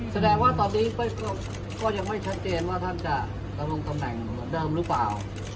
แสดงว่าตอนนี้ก็ยังไม่ชัดเจนว่าท่านจะดำรงตำแหน่งเหมือนเดิมหรือเปล่า